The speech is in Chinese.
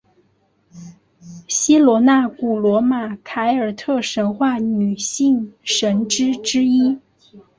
希罗纳古罗马凯尔特神话女性神只之一。